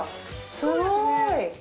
すごい！